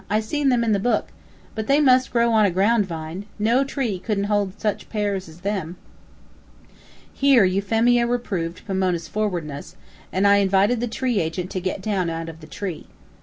"I seen them in the book. But they must grow on a ground vine. No tree couldn't hold such pears as them." Here Euphemia reproved Pomona's forwardness, and I invited the tree agent to get down out of the tree.